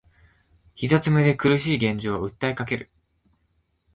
膝詰めで苦しい現状を訴えかける